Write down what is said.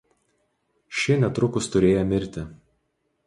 Šie netrukus turėję mirti.